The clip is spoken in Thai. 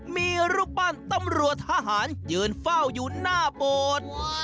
มีรูปปั้นตำรวจทหารยืนเฝ้าอยู่หน้าโบสถ์